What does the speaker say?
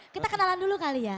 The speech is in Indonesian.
kita kenalan dulu kali ya